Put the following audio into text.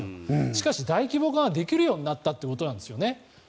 しかし、大規模化ができるようになったっていうことなんですね。